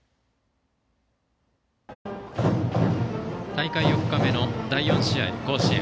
大会４日目の第４試合甲子園。